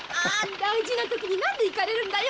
大事な時になんでイカれるんだよ！